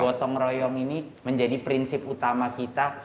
gotong royong ini menjadi prinsip utama kita